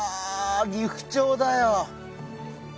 ギフチョウだよ。